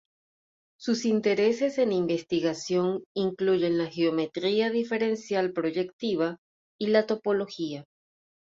Sus intereses en investigación incluyen la geometría diferencial proyectiva y la topología.